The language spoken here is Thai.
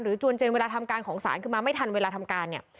จวนเจนเวลาทำการของศาลคือมาไม่ทันเวลาทำการเนี่ย